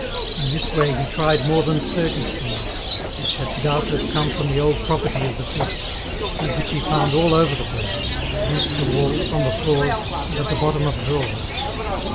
In this way he tried more than thirty keys which had doubtless come from the old property of the Fouques, and which he found all over the place, against the walls, on the floors, and at the bottom of drawers.